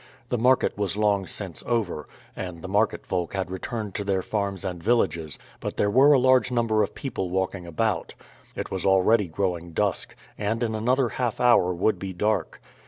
The market was long since over, and the market folk had returned to their farms and villages, but there were a large number of people walking about. It was already growing dusk, and in another half hour would be dark.